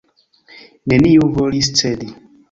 Neniu volis cedi.